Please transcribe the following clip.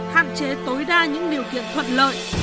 hạn chế tối đa những điều kiện thuận lợi